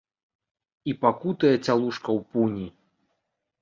І пакутуе цялушка ў пуні.